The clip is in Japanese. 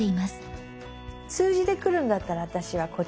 数字でくるんだったら私はこっちにしよ。